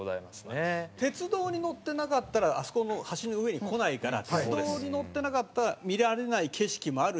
鉄道に乗ってなかったらあそこの橋の上に来ないから鉄道に乗ってなかったら見られない景色もあるし